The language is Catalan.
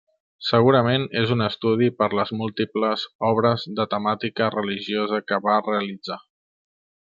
Segurament és un estudi per les múltiples obres de temàtica religiosa que va realitzar.